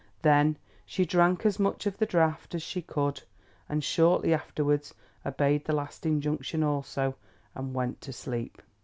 Then she drank as much of the draught as she could, and shortly afterwards obeyed the last injunction also, and went to sleep.